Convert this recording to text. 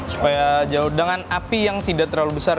supaya jauh dengan api yang tidak terlalu besar